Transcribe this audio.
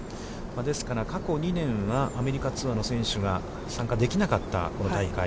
ですから、過去２年は、アメリカツアーの選手が、参加できなかった、この大会。